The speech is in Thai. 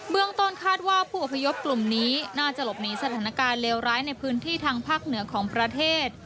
เมืองต้นคาดว่าผู้อพยพกลุ่มนี้น่าจะหลบหนีสถานการณ์เลวร้ายในพื้นที่ทางภาคเหนือของประเทศ